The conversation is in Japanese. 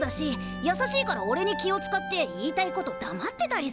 やさしいからおれに気をつかって言いたいことだまってたりするんすよ。